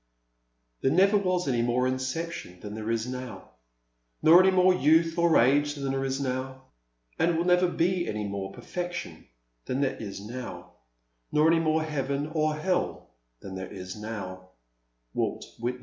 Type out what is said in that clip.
'* There was never any more inception than there is now, Nor any more youth or age than there is now ; And will never be any more perfection than there is now, Nor any more heaven or hell than there is how/' Wai^t Whitman.